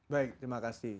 baik terima kasih